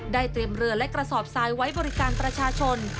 เตรียมเรือและกระสอบทรายไว้บริการประชาชน